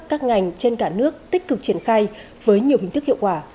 các ngành trên cả nước tích cực triển khai với nhiều hình thức hiệu quả